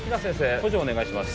補助お願いします